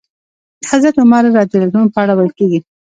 د حضرت عمر رض په اړه ويل کېږي.